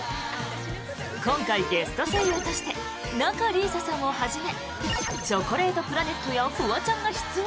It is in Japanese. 今回、ゲスト声優として仲里依紗さんをはじめチョコレートプラネットやフワちゃんが出演。